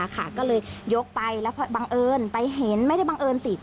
ก็เลยยกไปแล้วบังเอิญไปเห็นไม่ได้บังเอิญสิ